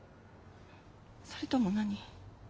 それとも何？